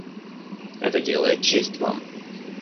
Это делает честь Вам.